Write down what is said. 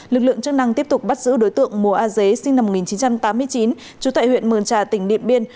lực lượng chức năng tiếp tục bắt giữ đối tượng mùa a dế sinh năm một nghìn chín trăm tám mươi chín trú tại huyện mường trà tỉnh điện biên